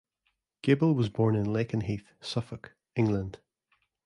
Gable was born in Lakenheath, Suffolk, England.